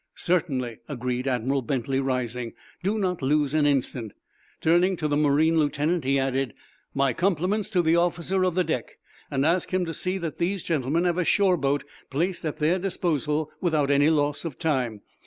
"Certainly," agreed Admiral Bentley, rising. "Do not lose an instant." Turning to the marine lieutenant, he added: "My compliments to the officer of the deck, and ask him to see that these gentlemen have a shore boat placed at their disposal without any loss of time.